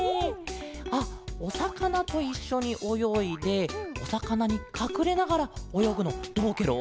あっおさかなといっしょにおよいでおさかなにかくれながらおよぐのどうケロ？